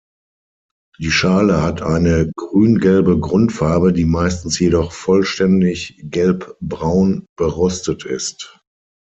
Die Schale hat eine grüngelbe Grundfarbe, die meistens jedoch vollständig gelbbraun berostet ist.